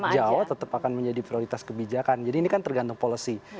jawa tetap akan menjadi prioritas kebijakan jadi ini kan tergantung policy